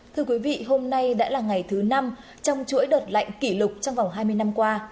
thưa quý vị hôm nay đã là ngày thứ năm trong chuỗi đợt lạnh kỷ lục trong vòng hai mươi năm qua